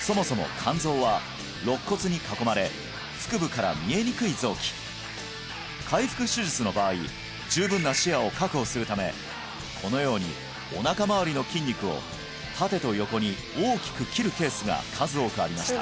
そもそも肝臓は肋骨に囲まれ腹部から見えにくい臓器開腹手術の場合十分な視野を確保するためこのようにおなかまわりの筋肉を縦と横に大きく切るケースが数多くありました